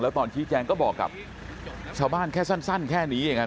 แล้วตอนชี้แจงก็บอกกับชาวบ้านแค่สั้นแค่นี้อย่างนั้น